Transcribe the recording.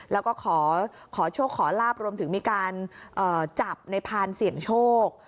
แล้วก็ขอโชคขอลาบรวมถึงมีการจับในพานเสี่ยงโชค